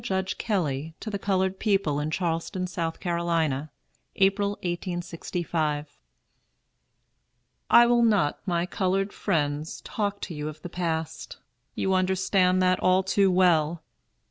JUDGE KELLY TO THE COLORED PEOPLE IN CHARLESTON, S. C., APRIL, 1865. "I will not, my colored friends, talk to you of the past. You understand that all too well.